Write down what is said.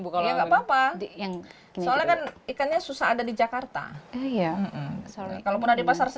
bukalau nggak papa yang soalnya kan ikannya susah ada di jakarta iya kalau pernah di pasar